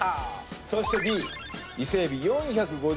そしてＢ伊勢海老４５０ｇ。